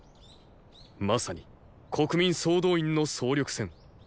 正に国民総動員の総力戦。